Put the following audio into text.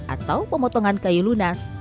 atau pemotongan kayu lunas